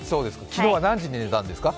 昨日は何時に寝たんですか？